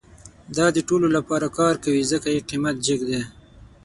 دا د ټولو لپاره کار کوي، ځکه یې قیمت جیګ ده